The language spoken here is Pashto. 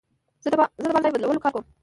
زه د بار ځای بدلولو کار کوم.